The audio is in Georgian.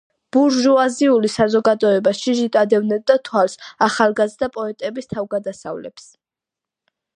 ბურჟუაზიული საზოგადოება შიშით ადევნებდა თვალს ახალგაზრდა პოეტების თავგადასავლებს.